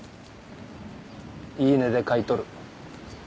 言い値で買い取る